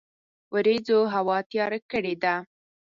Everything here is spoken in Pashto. وریځوهوا تیار کړی ده